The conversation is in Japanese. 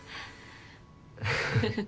フフフ。